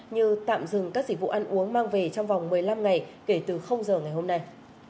như tạm dừng các dịch vụ ăn uống mang về trong vòng một mươi năm ngày kể từ giờ ngày hôm nay